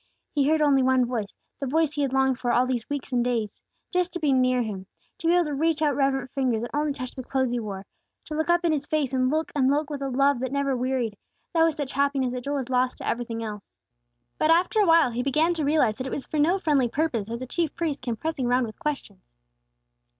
He heard only one voice, the voice he had longed for all these weeks and days. Just to be near Him! To be able to reach out reverent fingers and only touch the clothes He wore; to look up in His face, and look and look with a love that never wearied, that was such happiness that Joel was lost to everything else! But after a while he began to realize that it was for no friendly purpose that the chief priests came pressing around with questions.